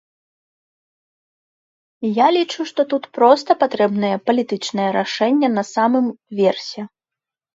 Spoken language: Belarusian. Я лічу, што тут проста патрэбнае палітычнае рашэнне на самым версе.